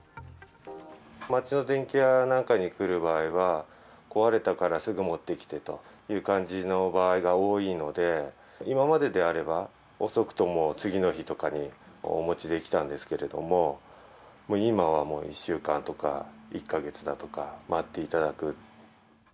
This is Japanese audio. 街の電器屋なんかに来る場合は、壊れたからすぐに持ってきてという感じの場合が多いので、今までであれば、遅くとも次の日とかにお持ちできたんですけれども、今はもう１週間とか１か月だとか、待っていただく。